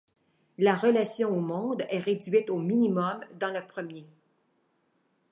La relation au monde est réduite au minimum dans le premier.